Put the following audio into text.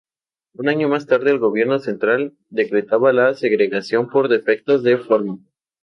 Un año más tarde, el gobierno central decretaba la segregación por defectos de forma.